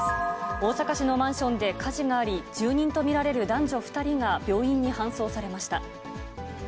大阪市のマンションで火事があり、住人と見られる男女２人が病院に搬送されました。